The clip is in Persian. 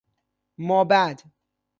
ما بعد